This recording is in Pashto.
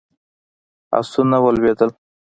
آسونه ولوېدل.